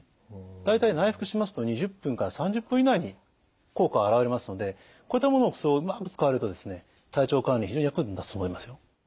大体内服しますと２０分から３０分以内に効果が現れますのでこういったものをうまく使われると体調管理に非常に役に立つと思いますよ。